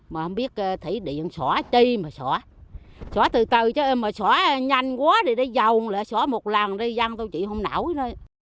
mà không biết thủy điện xóa chi mà xóa xóa từ từ chứ mà xóa nhanh quá thì đi dầu xóa một lần đi dăng tôi chỉ không nổi thôi